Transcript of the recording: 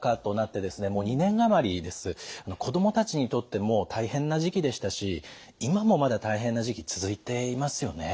子どもたちにとっても大変な時期でしたし今もまだ大変な時期続いていますよね。